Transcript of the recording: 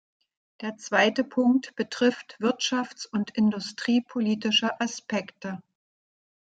Der zweite Punkt betrifft wirtschafts- und industriepolitische Aspekte.